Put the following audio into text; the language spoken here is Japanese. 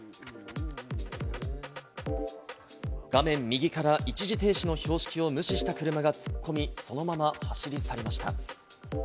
画面右から一時停止の標識を無視した車が突っ込み、そのまま走り去りました。